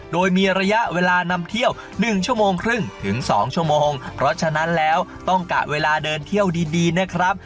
โดยมีระยะเวลานำเที่ยว๑ชั่วโมงครึ่งถึง๒ชั่วโมงเพราะฉะนั้นแล้วต้องกะเวลาเดินเที่ยวดีนะครับ